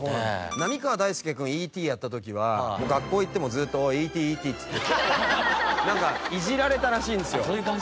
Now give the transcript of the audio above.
浪川大輔君『Ｅ．Ｔ．』やった時は学校行ってもずっと「Ｅ．Ｔ．！Ｅ．Ｔ．！」っつってなんかいじられたらしいんですよ。